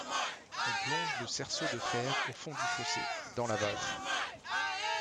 On plonge le cerceau de fer au fond du fossé, dans la vase.